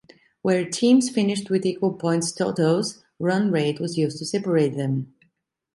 Where teams finished with equal points totals, run rate was used to separate them.